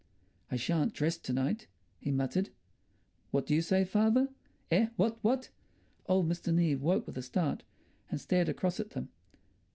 "I shan't dress to night," he muttered. "What do you say, father?" "Eh, what, what?" Old Mr. Neave woke with a start and stared across at them.